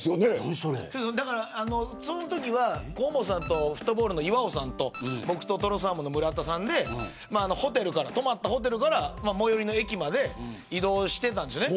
そのときは河本さんとフットボールの岩尾さんと僕と、とろサーモンの村田さんでホテルから、泊まったホテルから最寄の駅まで移動していたんです。